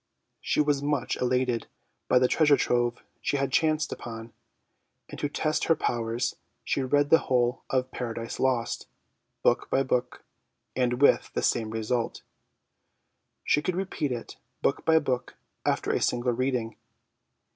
She was much elated by the treasure trove she had chanced upon, and to test her powers, she read the whole of ' Paradise Lost,' book by book, and with the same result, she could repeat it book by book after a single reading